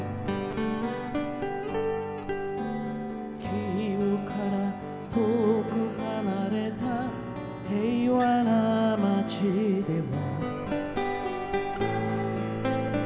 「キーウから遠く離れた平和な町では」